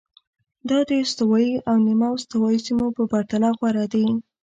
دا د استوایي او نیمه استوایي سیمو په پرتله غوره دي.